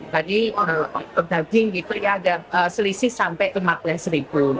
jadi bagi itu ya ada selisih sampai rp lima belas